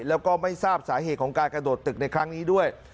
แล้วก็ไม่ทราบสาเหตุของการกระโดดตึกในครั้งนี้ด้วย